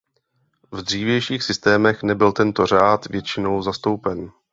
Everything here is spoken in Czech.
V dřívějších systémech nebyl tento řád většinou zastoupen.